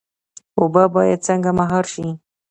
اوبه باید څنګه مهار شي؟